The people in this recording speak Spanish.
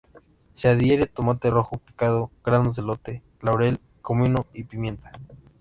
Se adhiere tomate rojo picado, granos de elote, laurel, comino y pimienta.